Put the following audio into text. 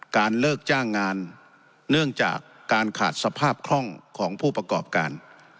เลิกจ้างงานเนื่องจากการขาดสภาพคล่องของผู้ประกอบการ